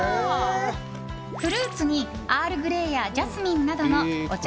フルーツにアールグレイやジャスミンなどのお茶